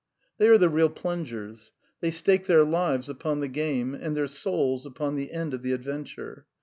They are the real plungers. They stake their lives upon Uie game and their souls upon the end of the adven ture.